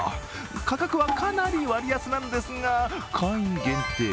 価格はかなり割安なんですが、会員限定。